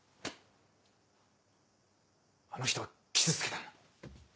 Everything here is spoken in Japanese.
あの人を傷つけたんだ。